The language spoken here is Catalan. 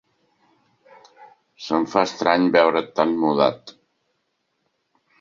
Se'm fa estrany veure't tan mudat.